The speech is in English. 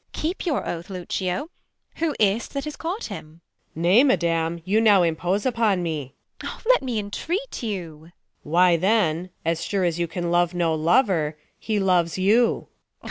Beat. Keep your oath, Lucio ; who is't that has caught him 1 Luc. Nay, Madam, you now impose upon me. Beat. Let me entreat you. Luc. Why then, as sure as you can love no lover, He loves you.